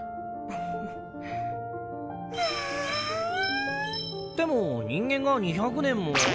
うわ！っても人間が２００年も。